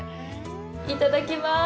いただきます！